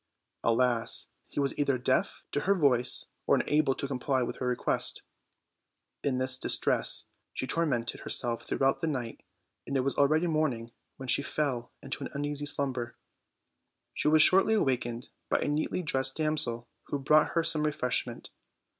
Alas! he was either deaf to her voice or unable to comply with her request. In this distress she tormented herself throughout the night, and it was already morn ing when she fell into an uneasy slumber. She was shortly awakened by a neatly dressed damsel, who brought her some refreshment.